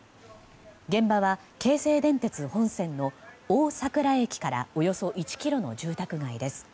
現場は京成電鉄本線の大佐倉駅からおよそ１ｋｍの住宅街です。